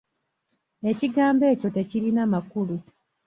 Ekigambo ekyo tekirina makulu.